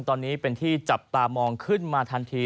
ตอนนี้เป็นที่จับตามองขึ้นมาทันที